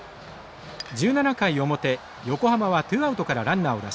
１７回表横浜はツーアウトからランナーを出します。